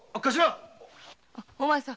お前さん。